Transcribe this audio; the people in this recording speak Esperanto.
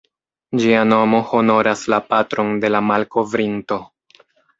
Ĝia nomo honoras la patron de la malkovrinto.